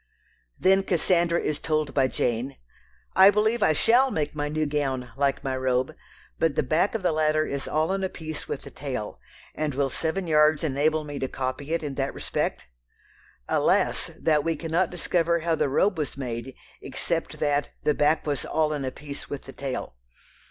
Then Cassandra is told by Jane, "I believe I shall make my new gown like my robe, but the back of the latter is all in a piece with the tail, and will seven yards enable me to copy it in that respect?" Alas! that we cannot discover how the robe was made, except that "the back was all in a piece with the tail."